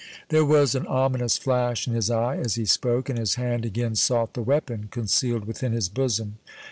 There was an ominous flash in his eye as he spoke, and his hand again sought the weapon concealed within his bosom.